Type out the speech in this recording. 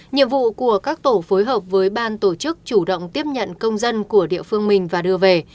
nhiệm vụ của các tổ phối hợp với ban tổ chức chủ động tiếp nhận công dân của địa phương mình và đưa về